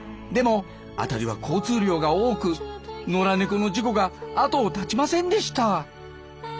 でも辺りは交通量が多く野良猫の事故が後を絶ちませんでした。